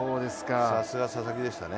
さすが佐々木でしたね。